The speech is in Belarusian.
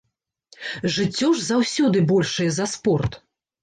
Жыццё ж заўсёды большае за спорт!